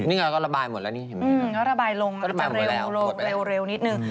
นี่ไงก็ระบายหมดแล้วนี่เห็นไหมมันก็ระบายลงระบายเร็วลงเร็วนิดนึง